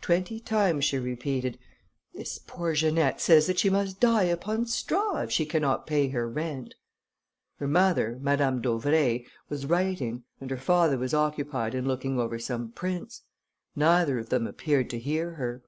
Twenty times she repeated, "This poor Janette says that she must die upon straw, if she cannot pay her rent." Her mother, Madame d'Auvray, was writing, and her father was occupied in looking over some prints; neither of them appeared to hear her.